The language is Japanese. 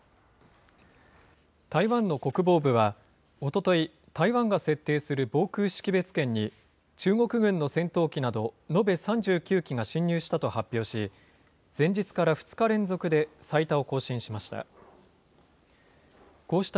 台湾の国防部はおととい、台湾が設定する防空識別圏に、中国軍の戦闘機など延べ３９機が進入したと発表し、前日から２日連続で最多を更新しました。